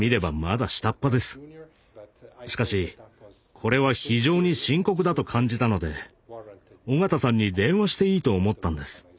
しかしこれは非常に深刻だと感じたので緒方さんに電話していいと思ったんです。